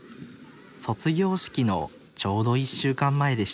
卒業式のちょうど１週間前でした。